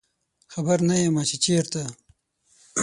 خبر نه یمه چې چیرته